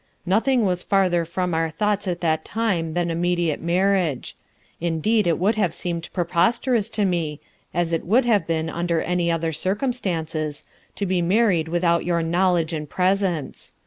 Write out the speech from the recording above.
Nothing was farther from our thoughts at that time than immediate marriage. Indeed it would have seemed preposterous to me, as it would have been under any other circumstances, to be married without your knowledge and presence.